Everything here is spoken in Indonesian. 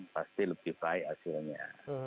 pasti lebih baik hasilnya